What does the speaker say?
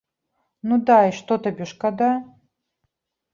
Ну дай, што табе, шкада?